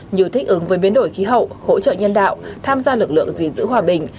như thích ứng với biến đổi khí hậu hỗ trợ nhân đạo tham gia lực lượng gìn giữ hòa bình